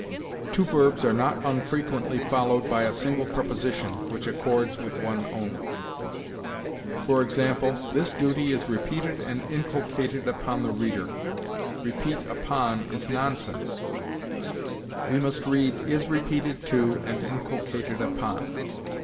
"Two verbs are not unfrequently followed by a single preposition, which accords with one only; e. g., 'This duty is repeated and inculcated upon the reader.' 'Repeat upon' is nonsense; we must read 'is repeated to and inculcated upon.'"